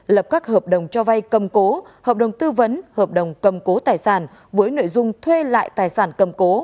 lập các hợp đồng cho vay cầm cố hợp đồng tư vấn hợp đồng cầm cố tài sản với nội dung thuê lại tài sản cầm cố